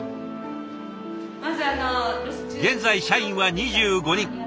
現在社員は２５人。